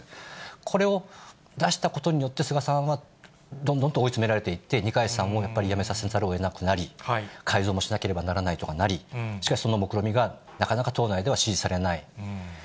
これを出したことによって、菅さんはどんどんと追い詰められていって、二階さんを辞めさせざるをえなくなり、改造もしなければならないとかなり、しかしそのもくろみがなかなか党内では支持されない。